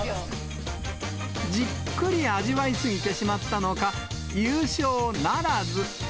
じっくり味わいすぎてしまったのか、優勝ならず。